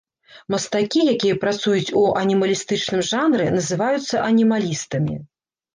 Мастакі, якія працуюць у анімалістычным жанры, называюцца анімалістамі.